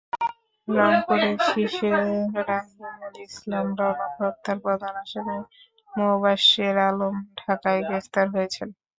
রংপুরে শিশু রাহিমুল ইসলাম রনক হত্যার প্রধান আসামি মোবাশ্বের আলম ঢাকায় গ্রেপ্তার হয়েছেন।